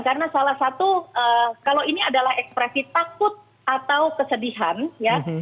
karena salah satu kalau ini adalah ekspresi takut atau kesedihan ya